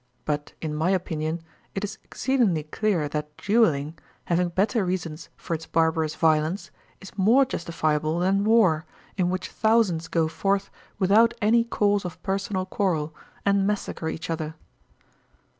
But, in my opinion, it is exceedingly clear that duelling, having better reasons for its barbarous violence, is more justifiable than war, in which thousands go forth without any cause of personal quarrel, and massacre each other.